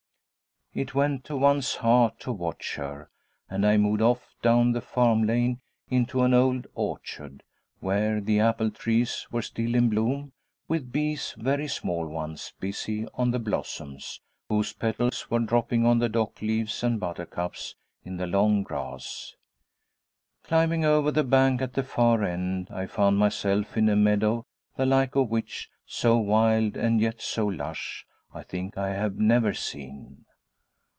It went to one's heart to watch her, and I moved off down the farm lane into an old orchard, where the apple trees were still in bloom, with bees very small ones busy on the blossoms, whose petals were dropping on the dock leaves and buttercups in the long grass. Climbing over the bank at the far end, I found myself in a meadow the like of which so wild and yet so lush I think I have never seen.